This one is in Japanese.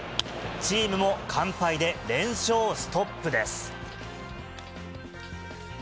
チームも完敗で連勝ストップです。